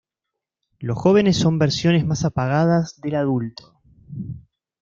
Los jóvenes son versiones más apagadas del adulto.